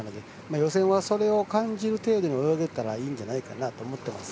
予選は、そういう感じでも泳げたらいいんじゃないかなと思います。